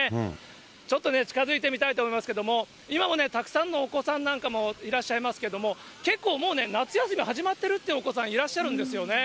ちょっとね、近づいてみたいと思いますけれども、今もね、たくさんのお子さんなんかもいらっしゃいますけども、結構もうね、夏休み始まってるってお子さん、いらっしゃるんですよね。